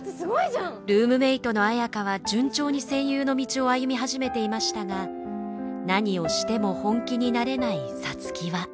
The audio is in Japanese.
ルームメートの綾花は順調に声優の道を歩み始めていましたが何をしても本気になれない皐月は。